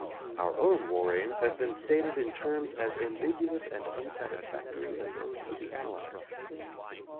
Our own war aims have been stated in terms as ambiguous and unsatisfactory as those of the Al lies.